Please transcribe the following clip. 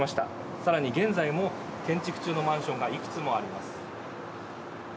更に現在も建築中のマンションがいくつもあります。